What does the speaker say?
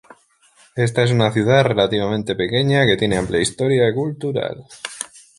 Esta es una ciudad relativamente pequeña que tiene amplia historia cultural.